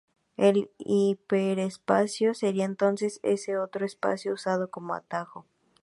El "hiperespacio" sería entonces ese otro espacio usado como atajo.